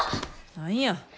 何や。